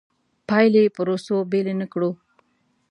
پایلې پروسو بېلې نه کړو.